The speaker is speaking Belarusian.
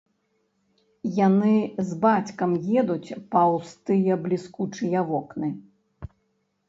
Яны з бацькам едуць паўз тыя бліскучыя вокны.